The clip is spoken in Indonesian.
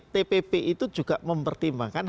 tpp itu juga mempertimbangkan